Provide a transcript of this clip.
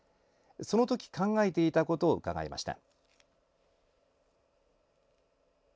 その時、考えていたことを伺いました。